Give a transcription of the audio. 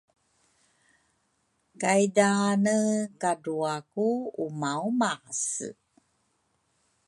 kay daane kadrua ku umaumase.